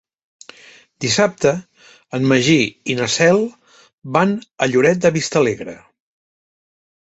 Dissabte en Magí i na Cel van a Lloret de Vistalegre.